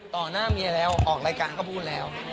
หน้าเมียแล้วออกรายการก็พูดแล้ว